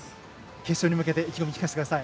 決勝に向けて意気込み聞かせてください。